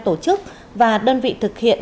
tổ chức và đơn vị thực hiện